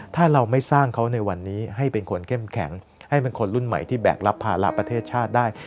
ถ้าเราไม่สร้างเขาในวันนี้ให้เป็นคนเข้มแข็งให้เป็นคนรุ่นใหม่ที่แบกรับภาระประเทศชาติได้